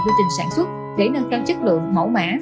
quy trình sản xuất để nâng cao chất lượng mẫu mã